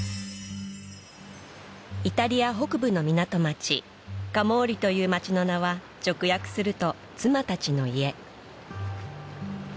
イタリア北部の港町カモーリという町の名は直訳すると「妻たちの家」